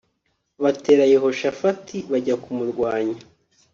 batera Yehoshafati bajya kumurwanya